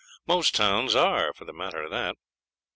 Most towns are, for the matter of that.